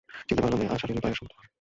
চিনতে পারলাম, এ আশারেরই পায়ের শব্দ।